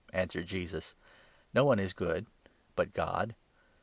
" answered Jesus. " No one is good but God.